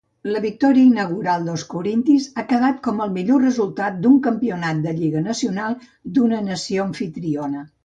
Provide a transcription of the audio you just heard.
La victòria inaugural dels corintis ha quedat com el millor resultat d'un campionat de lliga nacional d'una nació amfitriona.